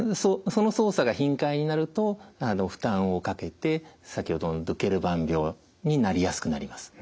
その操作が頻回になると負担をかけて先ほどのドケルバン病になりやすくなります。